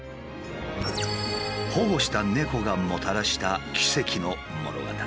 保護した猫がもたらした奇跡の物語。